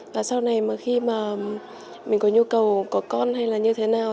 và sau này khi mình có nhu cầu có con hay như thế nào